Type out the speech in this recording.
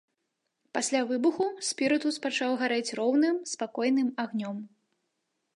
Пасля выбуху спірытус пачаў гарэць роўным спакойным агнём.